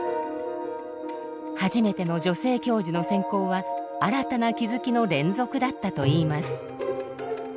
初めての女性教授の選考は新たな気づきの連続だったと言います。